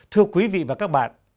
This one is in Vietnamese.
thưa quý vị và các bạn